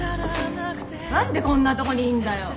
何でこんなとこにいんだよ！